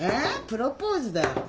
プロポーズだよ。